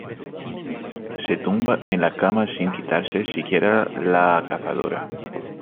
Se tumba en la cama sin quitarse siquiera la cazadora.